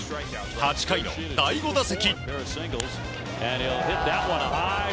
８回の第５打席。